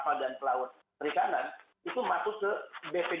itu masuk ke bp dua ni